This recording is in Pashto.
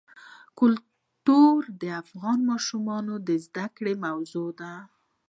کلتور د افغان ماشومانو د زده کړې موضوع ده.